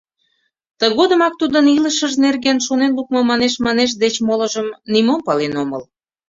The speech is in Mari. Тыгодымак тудын илышыж нерген шонен лукмо манеш-манеш деч молыжым нимом пален омыл.